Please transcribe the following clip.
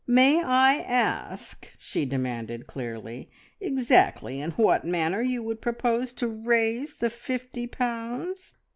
"May I ask," she demanded clearly, "exactly in what manner you would propose to raise the fifty pounds?